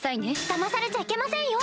だまされちゃいけませんよ。